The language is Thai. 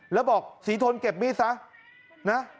แล้วบอกศรีทนเก็บมีดซะนะ